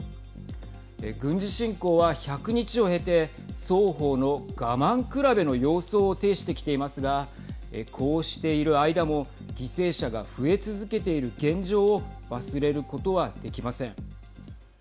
軍事侵攻は、１００日を経て双方の我慢比べの様相をていしてきていますがこうしている間も犠牲者が増え続けている現状を忘れることはできません。